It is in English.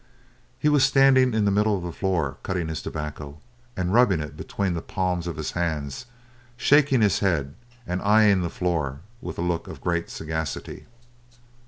He was standing in the middle of the floor cutting his tobacco, and rubbing it between the palms of his hands, shaking his head, and eyeing the floor with a look of great sagacity.